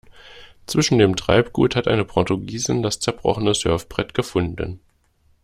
Zwischen dem Treibgut hat eine Portugiesin das zerbrochene Surfbrett gefunden.